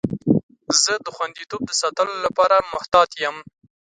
زه د خوندیتوب د ساتلو لپاره محتاط یم.